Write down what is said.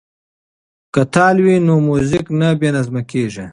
که تال وي نو موزیک نه بې نظمه کیږي.